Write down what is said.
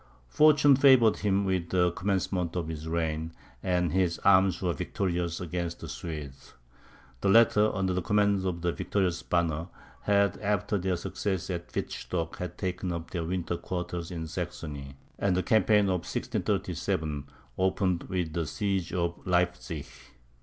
Fortune favoured him at the commencement of his reign, and his arms were victorious against the Swedes. The latter, under the command of the victorious Banner, had, after their success at Wittstock, taken up their winter quarters in Saxony; and the campaign of 1637 opened with the siege of Leipzig.